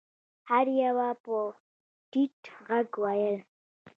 هر يوه به په ټيټ غږ ويل.